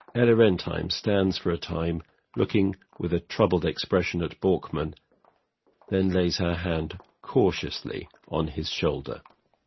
ELLA RENTHEIM. [Stands for a time looking with a troubled expression at BORKMAN; then lays her hand cautiously on his shoulder.